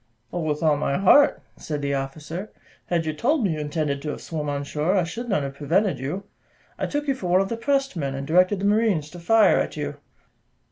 "Oh, with all my heart," said the officer; "had you told me you intended to have swum on shore, I should not have prevented you; I took you for one of the pressed men, and directed the marines to fire at you."